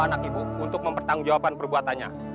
anak ibu untuk mempertanggung jawaban perbuatannya